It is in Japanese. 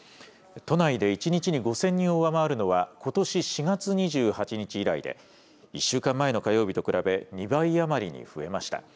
都内で１日に５０００人を上回るのは、ことし４月２８日以来で、１週間前の火曜日と比べ、２倍余りに増えました。